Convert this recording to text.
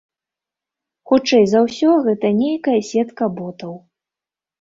Хутчэй за ўсё гэта нейкая сетка ботаў.